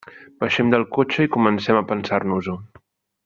Baixem del cotxe i comencem a pensar-nos-ho.